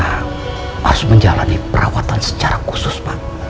harus menjalani perawatan secara khusus pak